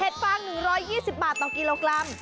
เห็ดฟางหนู๑๒๐บาทต่อกิโลกรัม